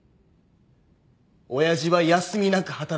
親父は休みなく働いた。